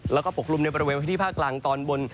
แล้วก็ปกลุ่มในบริเวณพื้นที่ภาคกลางตอนบน